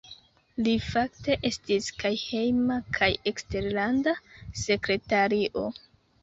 Li fakte estis kaj Hejma kaj Eksterlanda Sekretario.